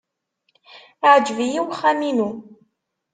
Yeɛjeb-iyi uxxam-inu.